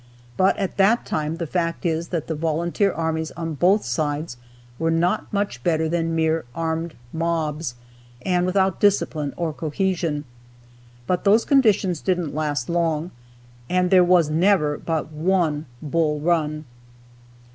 But at that time the fact is that the volunteer armies on both sides were not much better than mere armed mobs, and without discipline or cohesion. But those conditions didn't last long, and there was never but one Bull Run.